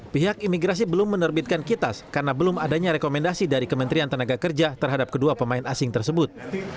pihak imigrasi belum menerbitkan kitas karena belum adanya rekomendasi dari kementerian tenaga kerja terhadap kedua pemain asing tersebut